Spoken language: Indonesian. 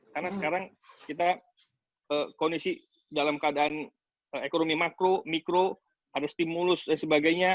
karena sekarang kita kondisi dalam keadaan ekonomi makro mikro ada stimulus dan sebagainya